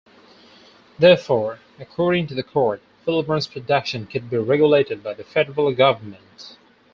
Therefore, according to the court, Filburn's production could be regulated by the federal government.